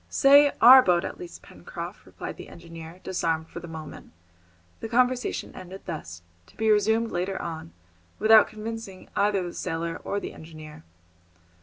"Say 'our' boat, at least, Pencroft," replied the engineer, disarmed for the moment. The conversation ended thus, to be resumed later on, without convincing either the sailor or the engineer.